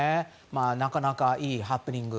なかなかいいハプニング。